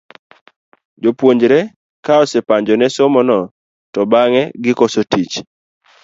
Jopuonjre ka osepanjo ne somo no to bang'e gikoso tich.